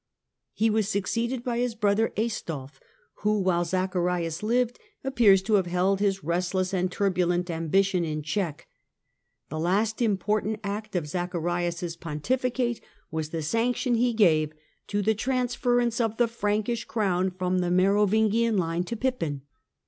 He was succeeded by his brother Aistulf, who, while Zacharias lived, appears to have held his restless and turbulent ambition in check. The last important act of Zacharias' pontificate was the sanction he gave to the transference of the Frankish crown from the Mero vingian line to Pippin.